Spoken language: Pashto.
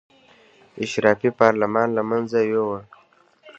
اشرافي پارلمان له منځه یې یووړ.